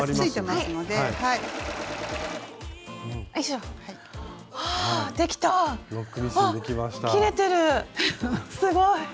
すごい！